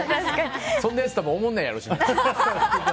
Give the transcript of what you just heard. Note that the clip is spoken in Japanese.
そんなやつとかおもんないやろうし。